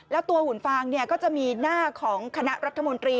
แล้วตัวหุ่นฟางก็จะมีหน้าของคณะรัฐมนตรี